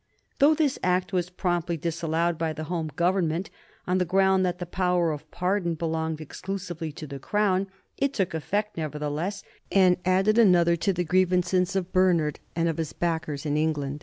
Though this Act was promptly disallowed by the Home Government on the ground that the power of pardon belonged exclusively to the Crown, it took effect nevertheless, and added another to the grievances of Bernard and of his backers in England.